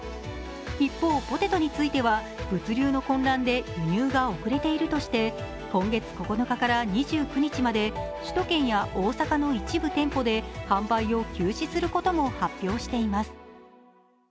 一方、ポテトについては物流の混乱で輸入が遅れているとして今月９日から２９日まで首都圏や大阪の一部店舗で販売を休止することも発表しています。